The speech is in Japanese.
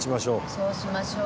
そうしましょう。